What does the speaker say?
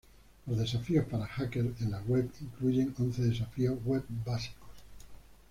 Los desafíos para hackers en la Web incluyen once desafíos Web básicos.